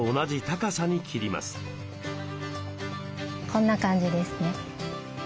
こんな感じですね。